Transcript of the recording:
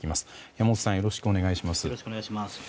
山本さんよろしくお願いします。